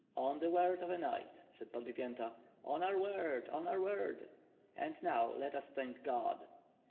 "On the word of a knight," said Podbiyenta. "On our word! on our word!" "And, now, let us thank God!"